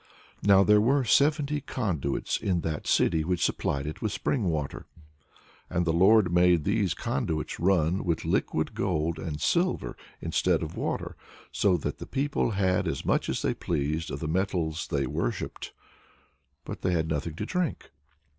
Now there were seventy conduits in that city which supplied it with spring water; and the Lord made these conduits run with liquid gold and silver instead of water, so that all the people had as much as they pleased of the metals they worshipped, but they had nothing to drink.